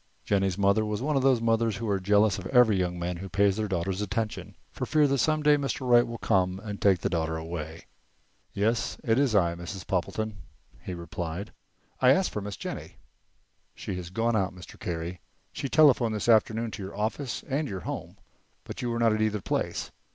Jennie's mother was one of those mothers who are jealous of every young man who pays their daughters attention, for fear that some day Mr. Wright will come along and take the daughter away. "Yes, it is I, Mrs. Poppleton," he replied. "I asked for Miss Jennie." "She has gone out, Mr. Carey. She telephoned this afternoon to your office and your home, but you were not at either place.